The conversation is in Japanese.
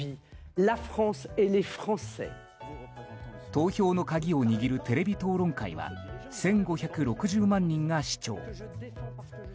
投票の鍵を握るテレビ討論会は１５６０万人が視聴。